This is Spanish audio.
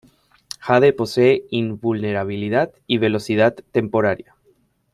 Jade posee invulnerabilidad y velocidad temporaria.